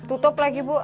tutup lagi bu